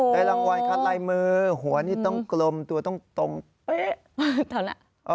รางวัลคัดลายมือหัวนี่ต้องกลมตัวต้องตรงเป๊ะเท่านั้น